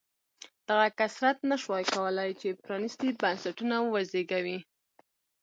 دغه کثرت نه شوای کولای چې پرانېستي بنسټونه وزېږوي.